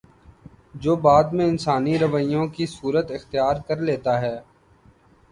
جو بعد میں انسانی رویوں کی صورت اختیار کر لیتا ہے